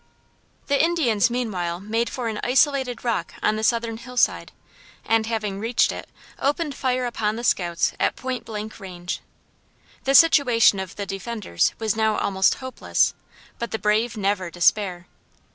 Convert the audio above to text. The Indians meanwhile made for an isolated rock on the southern hillside, and having reached it, opened fire upon the scouts at point blank range. The situation of the defenders was now almost hopeless; but the brave never despair.